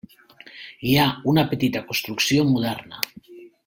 Hi ha una petita construcció moderna.